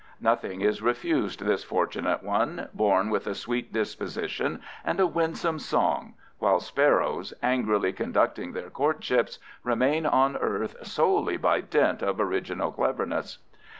Nothing is refused this fortunate one, born with a sweet disposition and a winsome song, while sparrows, angrily conducting their courtships, remain on earth solely by dint of original cleverness.